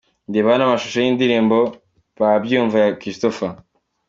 Reba hano amashusho y'indirimbo Babyumva ya Christopher.